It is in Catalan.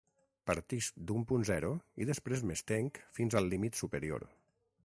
Partisc d'un punt zero i després m'estenc fins al límit superior.